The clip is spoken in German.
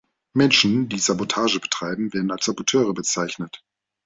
Menschen, die Sabotage betreiben, werden als Saboteure bezeichnet.